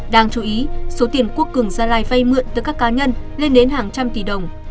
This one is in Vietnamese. đáng chú ý số tiền quốc cường gia lai vay mượn từ các cá nhân lên đến hàng trăm tỷ đồng